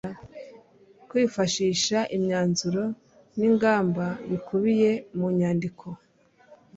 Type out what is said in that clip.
Kwifashisha imyanzuro n ingamba bikubiye mu nyandiko